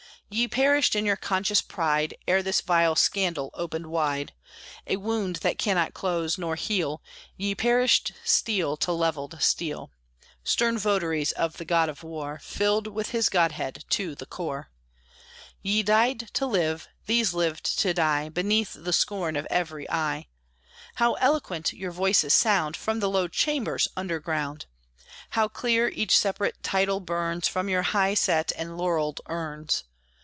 Ye perished in your conscious pride, Ere this vile scandal opened wide A wound that cannot close nor heal. Ye perished steel to levelled steel, Stern votaries of the god of war, Filled with his godhead to the core! Ye died to live, these lived to die, Beneath the scorn of every eye! How eloquent your voices sound From the low chambers under ground! How clear each separate title burns From your high set and laurelled urns!